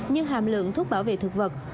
cho hàm lượng thuốc bảo vệ thực vật